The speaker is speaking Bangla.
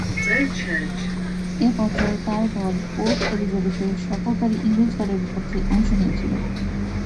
এ পর্যায়ে তার দল পোর্ট এলিজাবেথে সফরকারী ইংরেজ দলের বিপক্ষে অংশ নিয়েছিল।